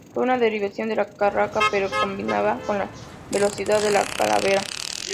Fue una derivación de la "carraca" pero combinada con la velocidad de la "carabela".